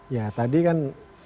ya tadi kan